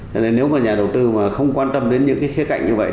cho nên nếu mà nhà đầu tư mà không quan tâm đến những cái khía cạnh như vậy